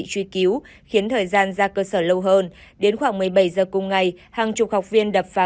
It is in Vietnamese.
truy cứu khiến thời gian ra cơ sở lâu hơn đến khoảng một mươi bảy giờ cùng ngày hàng chục học viên đập phá